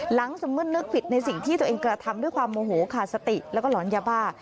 สมมุตินึกผิดในสิ่งที่ตัวเองกระทำด้วยความโมโหขาดสติแล้วก็หลอนยาบ้า